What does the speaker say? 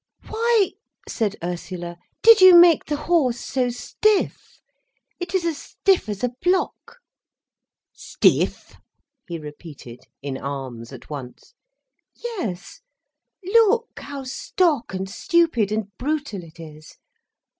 "Why," said Ursula, "did you make the horse so stiff? It is as stiff as a block." "Stiff?" he repeated, in arms at once. "Yes. Look how stock and stupid and brutal it is.